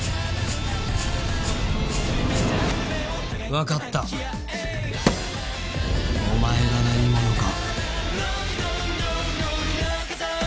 わかったお前が何者か。